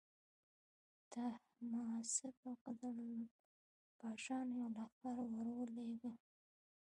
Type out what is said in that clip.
تهماسب د قزلباشانو یو لښکر ورولېږه.